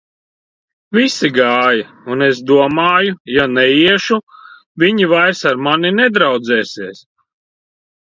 Visi gāja, un es domāju: ja neiešu, viņi vairs ar mani nedraudzēsies.